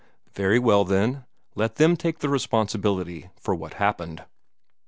Very well, then, let them take the responsibility for what happened.